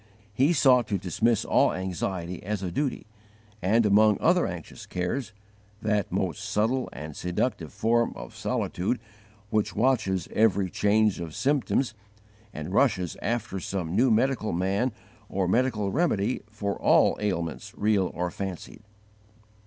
He sought to dismiss all anxiety, as a duty; and, among other anxious cares, that most subtle and seductive form of solicitude which watches every change of symptoms and rushes after some new medical man or medical remedy for all ailments real or fancied.